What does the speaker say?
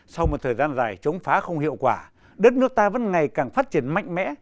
sau một thời gian dài chống phá không hiệu quả đất nước ta vẫn ngày càng phát triển mạnh mẽ